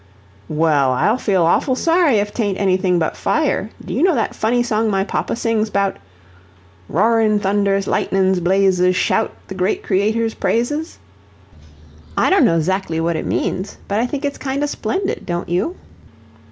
"Well, I'll feel awful sorry if 'tain't anything but fire. Do you know that funny song my papa sings 'bout: "'Roarin' thunders, lightenin's blazes, Shout the great Creator's praises?'" I don't know zactly what it means, but I think it's kind o' splendid, don't you?"